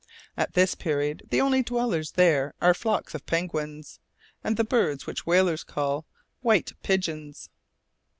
At this period the only dwellers there are flocks of penguins, and the birds which whalers call "white pigeons."